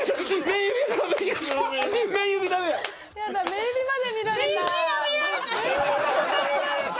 目指がまた見られた！